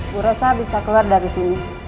bu resa bisa keluar dari sini